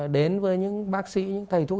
đến với những bác sĩ những thầy thuốc